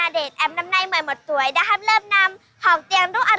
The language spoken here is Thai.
อ้าวเวียดนามเวียดนาม